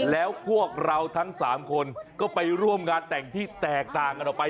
แล้วพวกเราทั้ง๓คนก็ไปร่วมงานแต่งที่แตกต่างกันออกไป